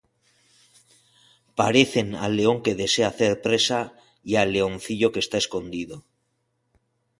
Parecen al león que desea hacer presa, Y al leoncillo que está escondido.